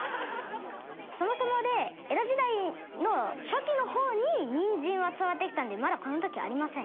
そもそもで江戸時代の初期の方に人参は伝わってきたんでまだこの時ありません。